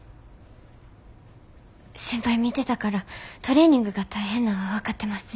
先輩見てたからトレーニングが大変なんは分かってます。